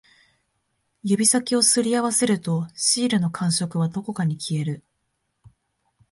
指先を擦り合わせると、シールの感触はどこかに消える